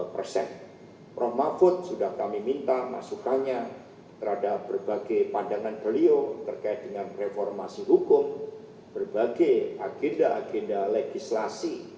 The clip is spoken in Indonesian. prof mahfud sudah kami minta masukannya terhadap berbagai pandangan beliau terkait dengan reformasi hukum berbagai agenda agenda legislasi